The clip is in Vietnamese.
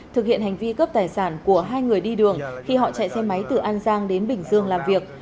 thực hiện hành vi cướp tài sản của hai người đi đường khi họ chạy xe máy từ an giang đến bình dương làm việc